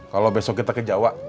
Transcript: kalau besok kita ke jawa